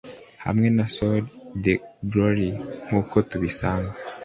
hamwe na soli deo gloria, nkuko tubisanga